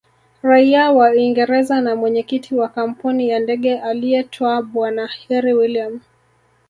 Raia wa Uingereza na Mwenyekiti wa kampuni ya ndege aliyeitwa bwana herri William